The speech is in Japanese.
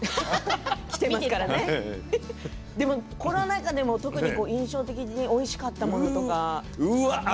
でも、この中でも特に印象的においしかったものとか。